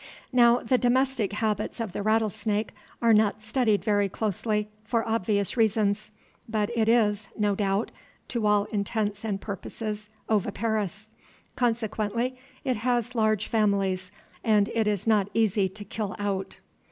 Now the domestic habits of the rattlesnake are not studied very closely, for obvious reasons; but it is, no doubt, to all intents and purposes oviparous. Consequently it has large families, and is not easy to kill out.